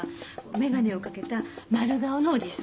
眼鏡をかけた丸顔のおじさん。